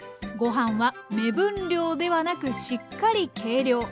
ご飯は目分量ではなくしっかり計量！